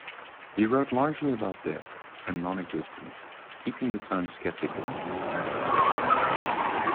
He wrote largely about death and non-existence, keeping the tone sceptical and ironic.